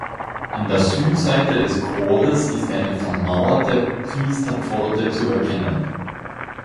An der Südseite des Chores ist eine vermauerte Priesterpforte zu erkennen.